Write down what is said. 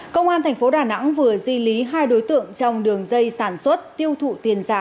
công an thành phố đà nẵng vừa di lý hai đối tượng trong đường dây sản xuất tiêu thụ tiền giả